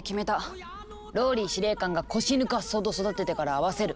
ＲＯＬＬＹ司令官が腰抜かすほど育ててから会わせる。